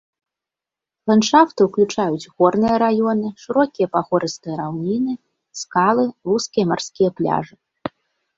Ландшафты ўключаюць горныя раёны, шырокія пагорыстыя раўніны, скалы, вузкія марскія пляжы.